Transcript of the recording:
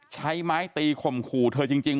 ใช้ไม้ตีข่มขู่เธอจริง